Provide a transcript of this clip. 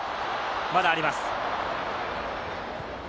まだあります。